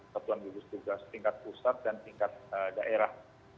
satuan gugus tugas tingkat pusat dan tingkat daerah